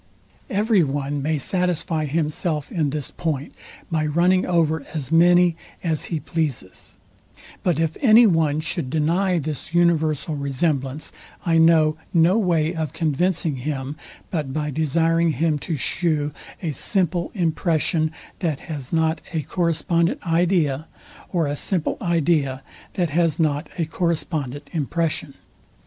Every one may satisfy himself in this point by running over as many as he pleases. But if any one should deny this universal resemblance, I know no way of convincing him, but by desiring him to shew a simple impression, that has not a correspondent idea, or a simple idea, that has not a correspondent impression.